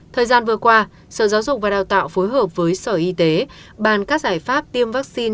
thời gian vừa qua sở giáo dục và đào tạo phối hợp với sở y tế bàn các giải pháp tiêm vaccine